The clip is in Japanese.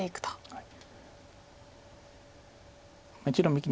はい。